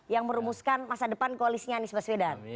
yang merumuskan masa depan koalisnya anies baswedan